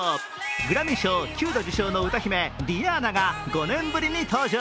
グラミー賞９度受賞の歌姫リアーナが５年ぶりに登場。